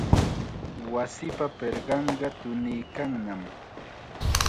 Wasipa pirqanqa tuniykannam.